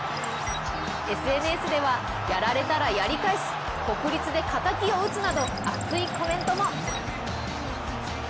ＳＮＳでは、やられたらやり返す、国立で敵を討つなど熱いコメントも。